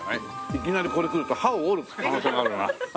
いきなりこれ食うと歯を折る可能性があるな。